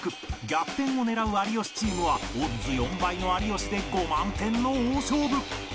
逆転を狙う有吉チームはオッズ４倍の有吉で５万点の大勝負